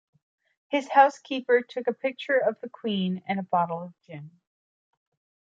His housekeeper took a picture of the Queen and a bottle of gin.